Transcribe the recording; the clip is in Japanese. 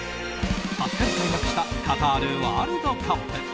２０日に開幕したカタールワールドカップ。